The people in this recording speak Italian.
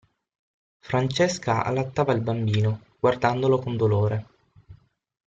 Francesca allattava il bambino, guardandolo con dolore.